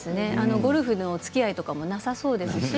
ゴルフのつきあいもなさそうですし。